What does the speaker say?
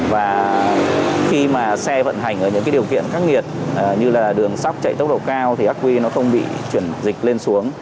và khi mà xe vận hành ở những điều kiện khắc nghiệt như là đường sóc chạy tốc độ cao thì ác quy nó không bị chuyển dịch lên xuống